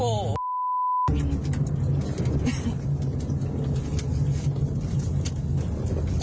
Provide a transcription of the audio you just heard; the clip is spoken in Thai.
โอ้โห